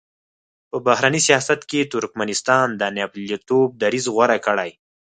په بهرني سیاست کې ترکمنستان د ناپېیلتوب دریځ غوره کړی.